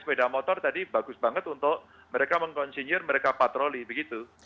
sepeda motor tadi bagus banget untuk mereka mengkonsenior mereka patroli begitu